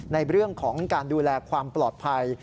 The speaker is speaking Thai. ในเรื่องของการดูแลความปลอดภัย